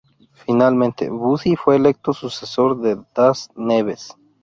Finalmente, Buzzi fue electo sucesor de Das Neves.